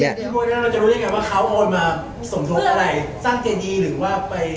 แต่พี่โม่ยนั้นเราอยากได้รู้ว่าเขาโอนมาสมทบอะไรเส้นเกณะดีหรือว่าไป